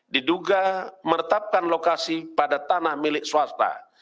diduga meretapkan lokasi pada tanah milik swasta